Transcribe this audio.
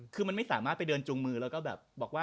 คือมันไม่สามารถไปเดินจุงมือแล้วก็แบบบอกว่า